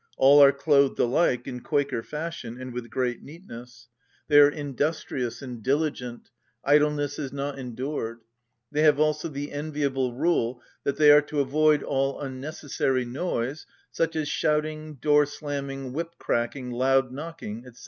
All are clothed alike, in Quaker fashion, and with great neatness. They are industrious and diligent: idleness is not endured. They have also the enviable rule that they are to avoid all unnecessary noise, such as shouting, door‐ slamming, whip‐cracking, loud knocking, &c.